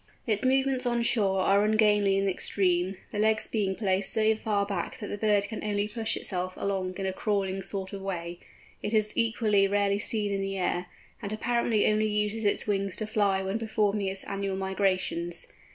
Its movements on shore are ungainly in the extreme, the legs being placed so far back that the bird can only push itself along in a crawling sort of a way; it is equally rarely seen in the air, and apparently only uses its wings to fly when performing its annual migrations.